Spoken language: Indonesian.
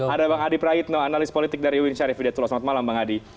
ada bang adi praitno analis politik dari winsyari fidatul selamat malam bang adi